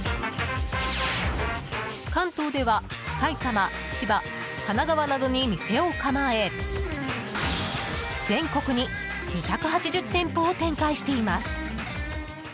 関東では埼玉、千葉神奈川などに店を構え全国に２８０店舗を展開しています。